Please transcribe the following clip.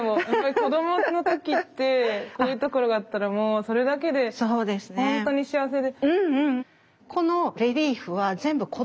子どもの時ってこういうところがあったらもうそれだけで本当に幸せで。